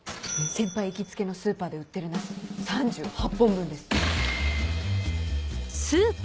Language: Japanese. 先輩行きつけのスーパーで売ってるナス３８本分です。